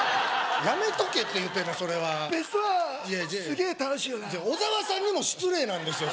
やめとけって言うてんねんそれはベストワンすげえ楽しいよねいやいや違う小沢さんにも失礼なんですよ